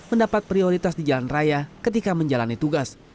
mendapat prioritas di jalan raya ketika menjalani tugas